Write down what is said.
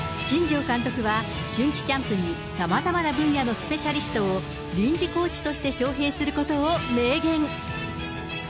新庄監督は春季キャンプに、さまざまな分野のスペシャリストを臨時コーチとして招へいすることを明言。